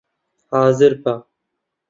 حازر بە!